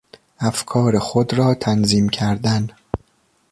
افکار خود را تنظیم کردن